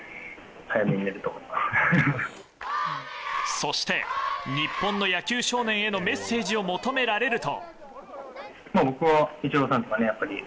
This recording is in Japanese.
そして、日本の野球少年へのメッセージを求められると。